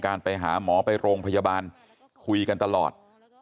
ไปหาหมอไปโรงพยาบาลคุยกันตลอด